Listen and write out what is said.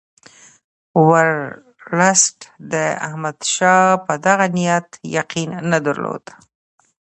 ورلسټ د احمدشاه په دغه نیت یقین نه درلود.